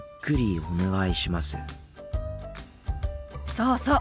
そうそう。